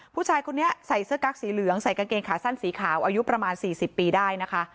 ผู้ชายคนนี้ใส่เสื้อกั๊กสีเหลืองใส่กางเกงขาสั้นสีขาวอายุประมาณ๔๐ปีได้นะคะ